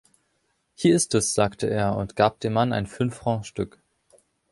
„Hier ist es,“ sagte er und gab dem Mann ein Fünf-Franc-Stück.